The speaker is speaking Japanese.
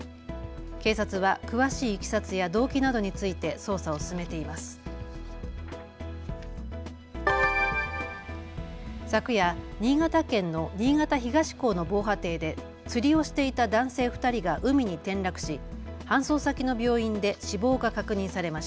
警察は詳しいいきさつや動機などについて捜査を進めています。